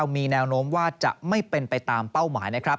มีแนวโน้มว่าจะไม่เป็นไปตามเป้าหมายนะครับ